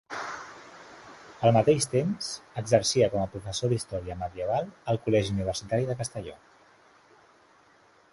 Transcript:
Al mateix temps, exercia com a professor d'Història Medieval al Col·legi Universitari de Castelló.